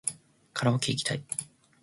カラオケいきたい